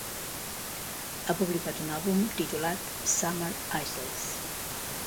Ha publicat un àlbum titulat "Summer Isles"